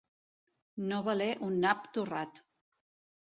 No valer un nap torrat.